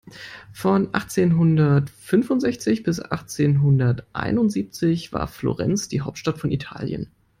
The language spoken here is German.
Von achtzehn-hundert-fünfundsechzig bis achtzehn-hundert-einundsiebzig war Florenz die Hauptstadt von Italien.